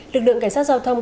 lực lượng cảnh sát giao thông